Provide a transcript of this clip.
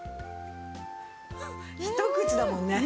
ひと口だもんね。